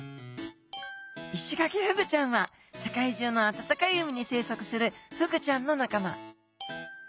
イシガキフグちゃんは世界中の暖かい海に生息するフグちゃんの仲間。